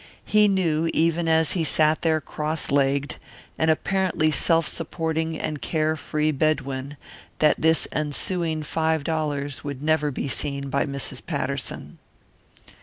He knew, even as he sat there cross legged, an apparently self supporting and care free Bedouin, that this ensuing five dollars would never be seen by Mrs. Patterson.